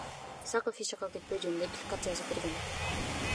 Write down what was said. Исаков эч жакка кетпөө жөнүндө тилкат жазып берген.